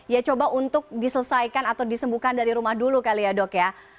ya coba untuk diselesaikan atau disembuhkan dari rumah dulu kali ya dok ya